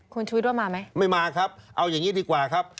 คุณชุวิตว่ามาไหมไม่มาครับเอาอย่างนี้ดีกว่าครับ